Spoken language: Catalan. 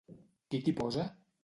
Qui t'hi posa?